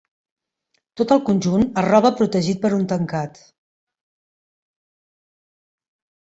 Tot el conjunt es roba protegit per un tancat.